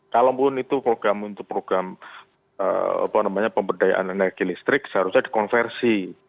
kalaupun itu program untuk program pemberdayaan energi listrik seharusnya dikonversi